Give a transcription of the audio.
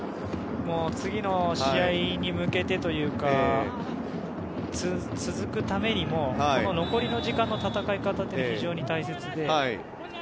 次の試合に向けてというか続くためにもこの残りの時間の戦い方って非常に大切で。